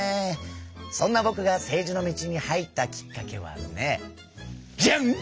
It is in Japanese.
そんなぼくが政治の道に入ったきっかけはねジャン！